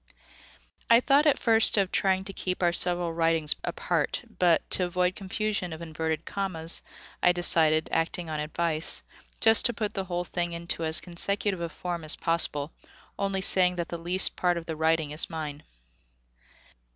I thought at first of trying to keep our several writings apart; but, to avoid confusion of inverted commas, I decided, acting on advice, just to put the whole thing into as consecutive a form as possible, only saying that the least part of the writing is mine.